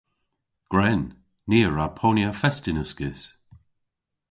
Gwren. Ni a wra ponya fest yn uskis.